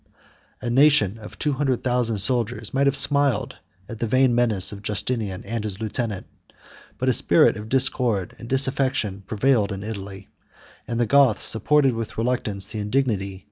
A nation of two hundred thousand soldiers might have smiled at the vain menace of Justinian and his lieutenant: but a spirit of discord and disaffection prevailed in Italy, and the Goths supported, with reluctance, the indignity of a female reign.